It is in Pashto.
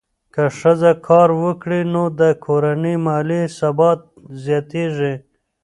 که ښځه کار وکړي، نو د کورنۍ مالي ثبات زیاتېږي.